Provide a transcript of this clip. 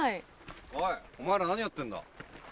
おいお前ら何やってんだ。